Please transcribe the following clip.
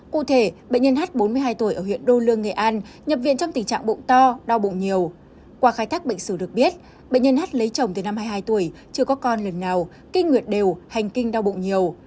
cụ thể bệnh nhân h bốn mươi hai tuổi ở huyện đô lương nghệ an nhập viện trong tình trạng bụng to đau bụng nhiều qua khai thác bệnh sử được biết bệnh nhân hát lấy chồng từ năm hai mươi hai tuổi chưa có con lần nào kinh nguyệt đều hành kinh đau bụng nhiều